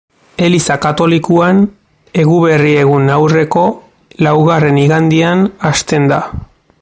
Eliza katolikoan Eguberri-egun aurreko laugarren igandean hasten da.